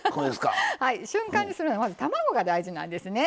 瞬間にするには、まず卵が大事なんですね。